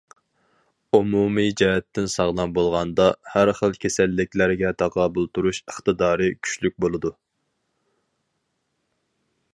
ئومۇمىي جەھەتتىن ساغلام بولغاندا، ھەر خىل كېسەللىكلەرگە تاقابىل تۇرۇش ئىقتىدارى كۈچلۈك بولىدۇ.